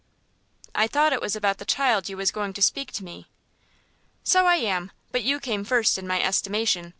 '" "I thought it was about the child you was going to speak to me." "So I am, but you came first in my estimation.